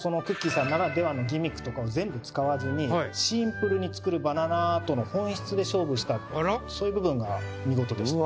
さんならではのギミックとかを全部使わずにシンプルに作るバナナアートの本質で勝負したそういう部分が見事でした。